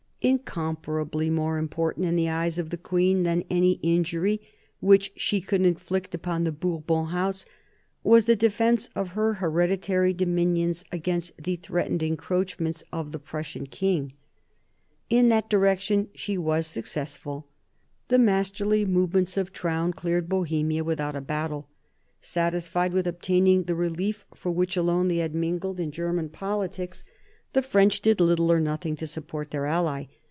Incomparably more important in the eyes of the queen than any injury which she could inflict upon the Bourbon House, was the defence of her hereditary dominions against the threatened encroachments of the Prussian king. In that direction she was successful. "The masterly movements of Traun cleared Bohemia without a battle. Satisfied with obtaining the. relief for which alone they had mingled in German politics, the French did little or nothing to support their ally.